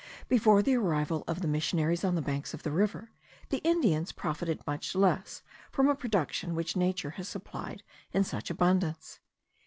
Before the arrival of the missionaries on the banks of the river, the Indians profited much less from a production which nature has supplied in such abundance.